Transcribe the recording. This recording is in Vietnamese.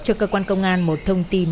cho cơ quan công an một thông tin